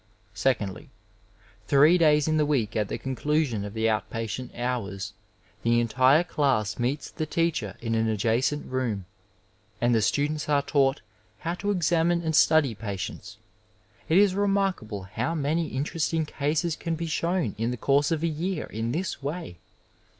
Seoandlyy three days in the week at the conclusion of the out patient hours, the entire class meets the teacher in an adjacent room, and the students are taught how to examine and study patients. It is remarkable how many interesting cases can be shown in the course of a year in this way.